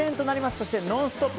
そして「ノンストップ！」